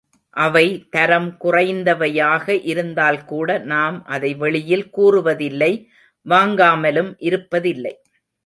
அவை தரம் குறைந்தவையாக இருந்தால்கூட நாம் அதை வெளியில் கூறுவதில்லை வாங்காமலும் இருப்பதில்லை!